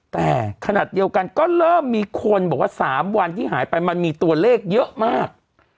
แต่ขณะเดียวกันก็เริ่มมีคนบอกว่า๓วันที่หายไปมันมีตัวเลขเยอะมาก